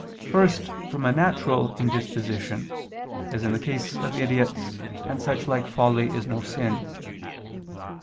First, from a natural indisposition, as in the case of idiots, and such like folly is no sin.